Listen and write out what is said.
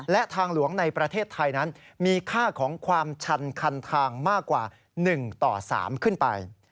และทางหลวงในประเทศไทยนั้นมีค่าของความชันคันทางมากกว่า๑ต่อ๓ขึ้นไป